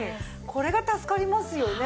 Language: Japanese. これが助かりますよね。